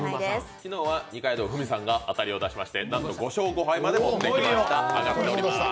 昨日は二階堂ふみさんが当たりを出しましてなんと５勝５敗まで持ってきました、上がっております。